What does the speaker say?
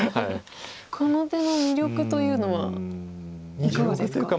この手の魅力というのはいかがですか？